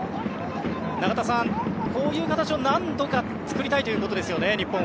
中田さん、こういう形を何度か作りたいということですよね。